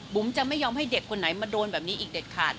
จะไม่ยอมให้เด็กคนไหนมาโดนแบบนี้อีกเด็ดขาด